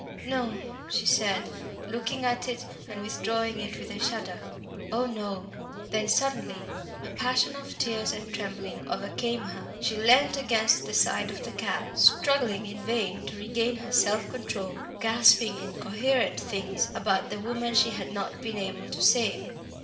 "No!" she said, looking at it and withdrawing it with a shudder; "oh no!" Then suddenly a passion of tears and trembling overcame her. She leant against the side of the cab, struggling in vain to regain her self control, gasping incoherent things about the woman she had not been able to save.